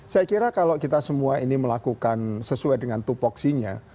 saya kira kalau kita semua ini melakukan sesuai dengan tupoksinya